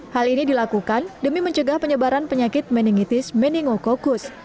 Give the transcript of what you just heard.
hal ini dilakukan demi mencegah penyebaran penyakit meningitis meninococus